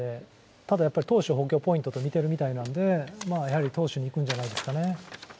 ただ、やはり投手を補強ポイントと見ているようなので、やはり投手にいくんじゃないですかね。